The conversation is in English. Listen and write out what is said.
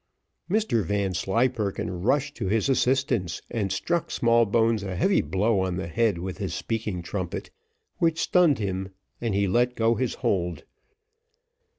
Mr Vanslyperken rushed to his assistance, and struck Smallbones a heavy blow on the head with his speaking trumpet, which stunned him, and he let go his hold.